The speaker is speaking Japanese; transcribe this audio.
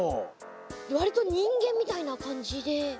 割と人間みたいな感じで。